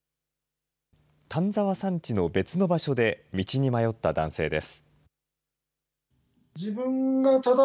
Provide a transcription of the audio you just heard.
丹沢山地の別の場所で道に迷った男性です。